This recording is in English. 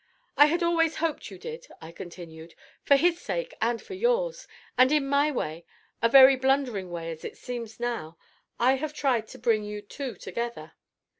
"I had always hoped you did," I continued, "for his sake, and for yours, and in my way, a very blundering way as it seems now, I have tried to bring you two together."